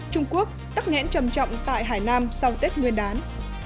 trung quốc tắc nghẽn trầm trọng tại hải nam sau tết nguyên đán